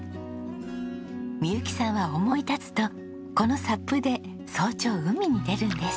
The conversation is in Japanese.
未佑紀さんは思い立つとこのサップで早朝海に出るんです。